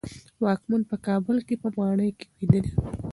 واکمن په کابل کې په ماڼۍ کې ویده و.